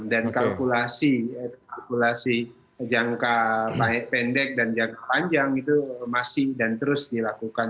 kalkulasi jangka baik pendek dan jangka panjang itu masih dan terus dilakukan